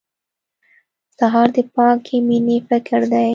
سهار د پاکې مېنې فکر دی.